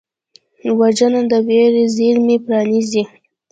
وژنه د ویر زېرمې پرانیزي